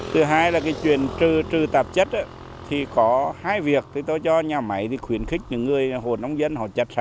thứ hai là cái chuyện trừ tạp chất thì có hai việc tôi cho nhà máy khuyến khích những người hồ nông dân